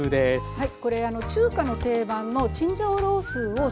はい。